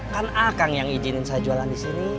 kan kak kang yang izinin saya jualan disini